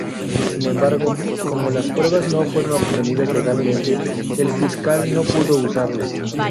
Sin embargo, como las pruebas no fueron obtenidas legalmente, el fiscal no pudo usarlas.